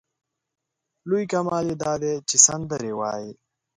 لوی کمال یې دا دی چې سندرې وايي.